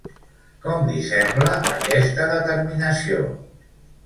Com li sembla aquesta determinació?